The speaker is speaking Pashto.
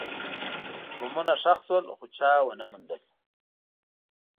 بمونه ښخ شول، خو چا ونه موندل.